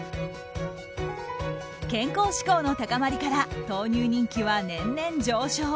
健康志向の高まりから豆乳人気は年々上昇！